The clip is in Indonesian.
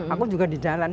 aku juga di jalan